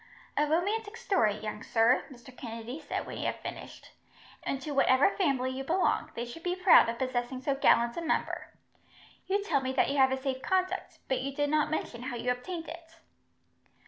"A romantic story, young sir," Mr. Kennedy said, when he had finished, "and to whatever family you belong, they should be proud of possessing so gallant a member. You tell me that you have a safe conduct, but you did not mention how you obtained it."